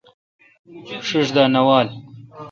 ݭݭ دا نہ وال۔